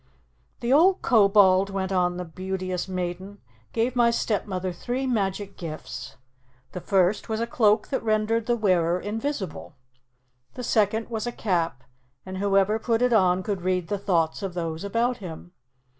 "The old Kobold," went on the Beauteous Maiden, "gave my stepmother three magic gifts. The first was a cloak that rendered the wearer invisible. The second was a cap, and whoever put it on could read the thoughts of those about him.